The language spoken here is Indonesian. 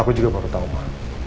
aku juga baru tau ma